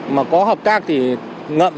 mà có hợp tác thì ngậm